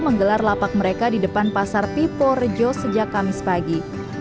menggelar lapak mereka di depan pasar pipo rejo sejak kamis pagi